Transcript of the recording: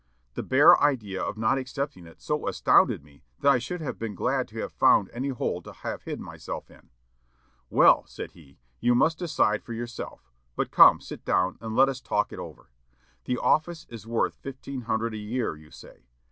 The bare idea of not accepting it so astounded me that I should have been glad to have found any hole to have hid myself in.... 'Well,' said he, 'you must decide for yourself; but come, sit down, and let us talk it over. The office is worth fifteen hundred a year, you say.